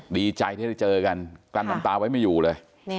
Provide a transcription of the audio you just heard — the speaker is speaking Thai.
ดีใจที่ได้เจอกันกลั้นน้ำตาไว้ไม่อยู่เลย